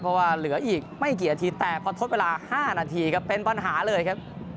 เพราะว่าเหลืออีกไม่กี่นาทีแต่พอทดเวลา๕นาทีครับเป็นปัญหาเลยครับ